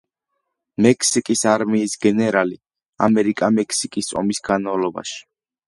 მექსიკის არმიის გენერალი ამერიკა-მექსიკის ომის განმავლობაში.